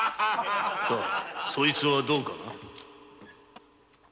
・さぁそいつはどうかな。